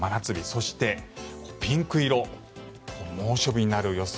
そしてピンク色猛暑日になる予想。